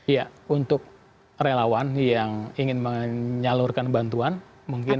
ya untuk relawan yang ingin menyalurkan bantuan mungkin